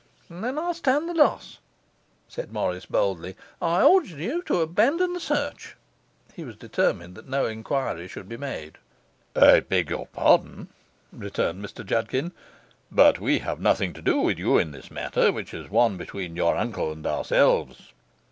'Then I'll stand the loss,' said Morris boldly. 'I order you to abandon the search.' He was determined that no enquiry should be made. 'I beg your pardon,' returned Mr Judkin, 'but we have nothing to do with you in this matter, which is one between your uncle and ourselves.